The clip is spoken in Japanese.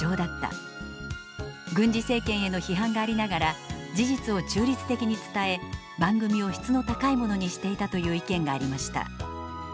「軍事政権への批判がありながら事実を中立的に伝え番組を質の高いものにしていた」という意見がありました。